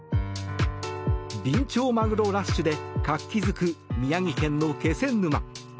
ビンチョウマグロラッシュで活気付く宮城県の気仙沼。